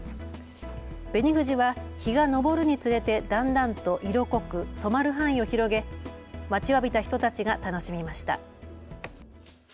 紅富士は日が昇るにつれてだんだんと色濃く染まる範囲を広げ、待ちわびた人たちが楽しみました。